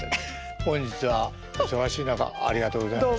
本日はお忙しい中ありがとうございました。